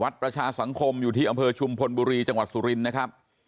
ประชาสังคมอยู่ที่อำเภอชุมพลบุรีจังหวัดสุรินทร์นะครับ